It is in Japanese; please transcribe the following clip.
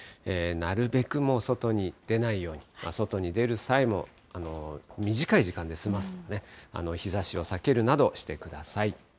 なるべくもう外に出ないように、外に出る際も短い時間で済ます、日ざしを避けるなどしてください。